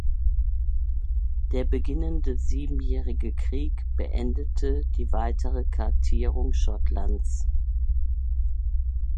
Der beginnende Siebenjährige Krieg beendete die weitere Kartierung Schottlands.